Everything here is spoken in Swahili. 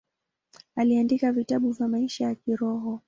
Aliandika vitabu vya maisha ya kiroho.